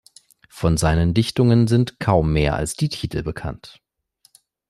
Von seinen Dichtungen sind kaum mehr als die Titel bekannt.